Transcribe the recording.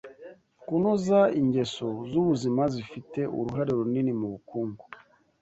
kunoza ingeso zubuzima zifite uruhare runini mu bukungu